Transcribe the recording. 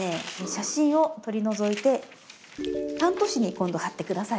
写真を取り除いてタント紙に今度貼って下さい。